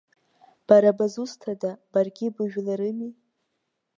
Бара бызусҭада, баргьы быжәларыми?!